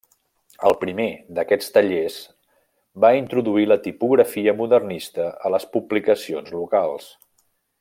El primer d’aquests tallers va introduir la tipografia modernista a les publicacions locals.